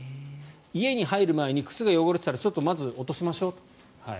家に入る前に靴が汚れていたらまず落としましょう。